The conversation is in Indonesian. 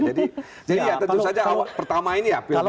jadi ya tentu saja pertama ini ya pilgub dulu